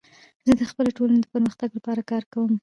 زه د خپلي ټولني د پرمختګ لپاره کار کوم.